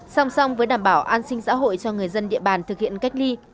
xong xong với đảm bảo an sinh xã hội cho người dân địa bàn thực hiện cách ly